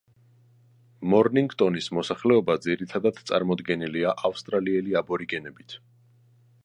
მორნინგტონის მოსახლეობა ძირითადად წარმოდგენილია ავსტრალიელი აბორიგენებით.